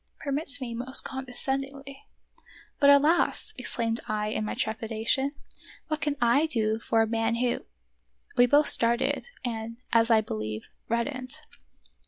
Permit me most condescendingly" —" But, alas !" exclaimed I in my trepidation, "what can I do for a man who" — We both started, and, as I believe, reddened.